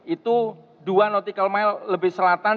itu dua nautical mile lebih selatan